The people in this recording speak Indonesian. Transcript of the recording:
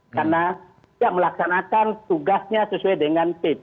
karena tidak melaksanakan tugasnya sesuai dengan pp